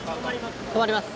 止まります。